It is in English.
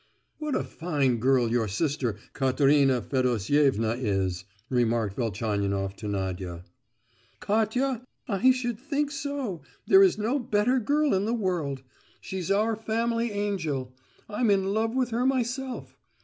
"What a fine girl your sister, Katerina Fedosievna is," remarked Velchaninoff to Nadia. "Katia? I should think so! there is no better girl in the world. She's our family angel! I'm in love with her myself!"